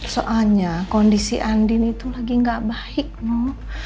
soalnya kondisi andi ini tuh lagi gak baik no